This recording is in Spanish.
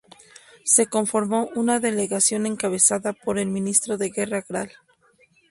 Se conformó una delegación encabezada por el ministro de Guerra Gral.